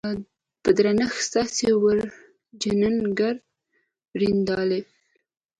په درنښت ستاسې ورور جيننګز رينډالف.